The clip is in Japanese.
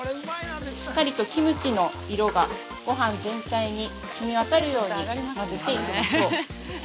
しっかりとキムチの色がごはん全体に染みわたるように混ぜていきましょう。